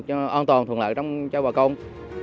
cho an toàn thuận lợi cho bà công